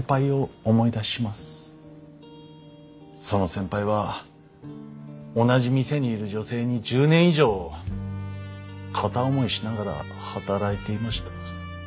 その先輩は同じ店にいる女性に１０年以上片思いしながら働いていました。